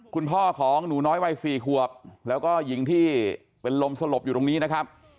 คุณพ่อของหนูน้อยวัย๔ขวบแล้วก็หญิงที่เป็นลมสลบอยู่ตรงนี้นะครับ